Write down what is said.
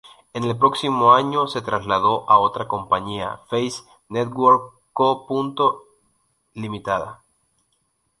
En el próximo año, se trasladó a otra compañía "Face Network Co., Ltd.